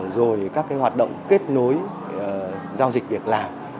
rồi các hoạt động kết nối giao dịch việc làm